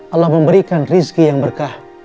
allah memberikan rizki yang berkah